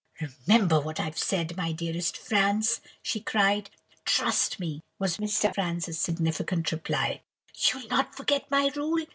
"'Remember what I've said, my dearest Franz!' she cried. "'Trust me!' was Mr. Franz's significant reply. "'You'll not forget my rule?